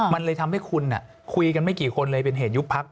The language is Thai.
มันเลยทำให้คุณคุยกันไม่กี่คนเลยเป็นเหตุยุบพัก